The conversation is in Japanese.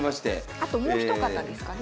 あともう一方ですかね。